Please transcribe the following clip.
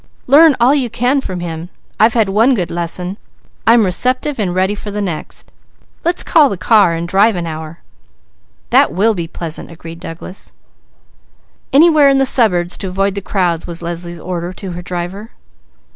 Learn all you can from him. I've had one good lesson, I'm receptive and ready for the next. Let's call the car and drive an hour." "That will be pleasant," agreed Douglas. "Anywhere in the suburbs to avoid the crowds," was Leslie's order to her driver.